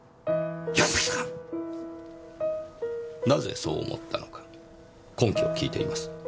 なぜそう思ったのか根拠を聞いています。